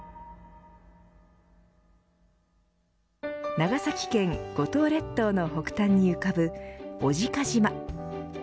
長崎県五島列島の北端に浮かぶ小値賀島。